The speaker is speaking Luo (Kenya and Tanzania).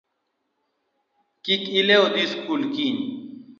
Kik ilew dhi sikul kiny